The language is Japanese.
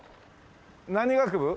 何学部？